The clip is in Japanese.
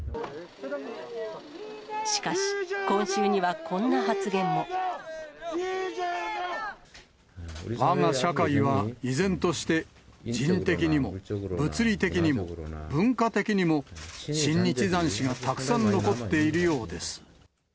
しかし、わが社会は、依然として人的にも、物理的にも、文化的にも親日残滓がたくさん残っているようです。